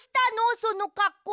そのかっこう。